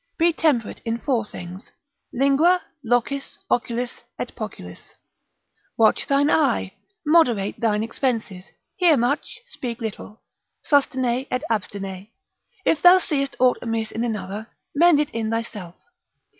Be temperate in four things, lingua, locis, oculis, et poculis. Watch thine eye. Moderate thine expenses. Hear much, speak little, sustine et abstine. If thou seest ought amiss in another, mend it in thyself.